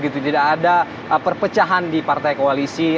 tidak ada perpecahan di partai koalisi